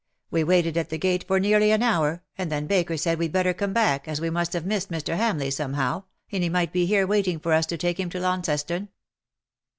We waited at the gate for nearly an hour, and then Baker said we'd better come back, as we must have missed ;Mr. Hamleigh, somehow, and he might be here waiting for us to take him to Launceston."